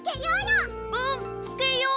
うんつけよう！